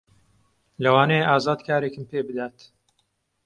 لەوانەیە ئازاد کارێکم پێ بدات.